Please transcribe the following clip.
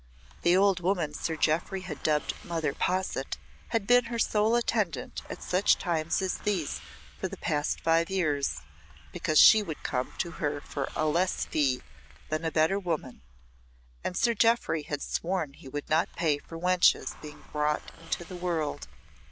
The old woman Sir Jeoffry had dubbed Mother Posset had been her sole attendant at such times as these for the past five years, because she would come to her for a less fee than a better woman, and Sir Jeoffry had sworn he would not pay for wenches being brought into the world.